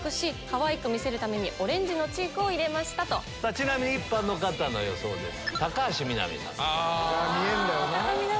ちなみに一般の方の予想です。